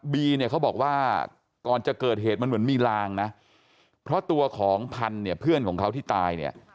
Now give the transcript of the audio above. เนี่ยเขาบอกว่าก่อนจะเกิดเหตุมันเหมือนมีลางนะเพราะตัวของพันธุ์เนี่ยเพื่อนของเขาที่ตายเนี่ย